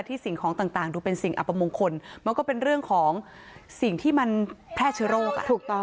สิ่งของต่างดูเป็นสิ่งอัปมงคลมันก็เป็นเรื่องของสิ่งที่มันแพร่เชื้อโรคอ่ะถูกต้อง